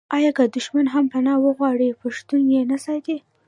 آیا که دښمن هم پنا وغواړي پښتون یې نه ساتي؟